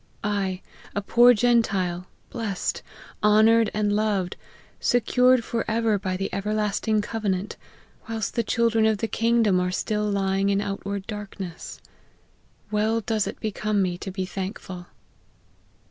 I, a poor Gentile, blest, honoured, and loved, secured for ever by the ever lasting covenant, whilst the children of the king 144 LIFE OF HENRY MARTY3S. dom are still lying in outward darkness ! Well does it become me to be thankful."